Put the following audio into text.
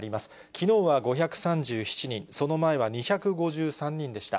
きのうは５３７人、その前は２５３人でした。